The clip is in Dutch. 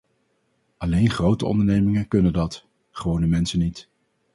Alleen grote ondernemingen kunnen dat, gewone mensen niet.